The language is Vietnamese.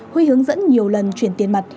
huy hướng dẫn nhiều lần chuyển tiền mặt